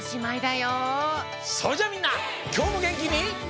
それじゃあみんなきょうもげんきに。